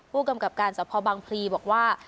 ผู้กำกับการสภบางพลีบอกว่า